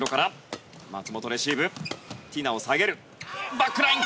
バックライン！